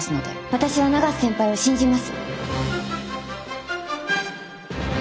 私は永瀬先輩を信じます。